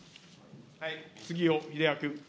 杉尾秀哉君。